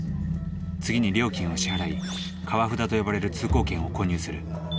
次に料金を支払い川札と呼ばれる通行券を購入する。